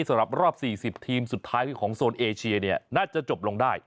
สำหรับรอบ๔๐ทีมสุดท้ายของโซนเอเชียเนี่ยน่าจะจบลงได้